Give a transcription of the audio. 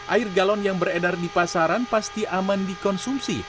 air galon yang beredar di pasaran pasti aman dikonsumsi